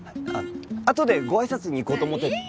あっあとでご挨拶に行こうと思って。